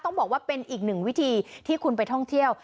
ต้องบอกว่าเป็นอีกหนึ่งวิธีที่คุณไปท่องเที่ยว